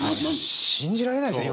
信じられないですよね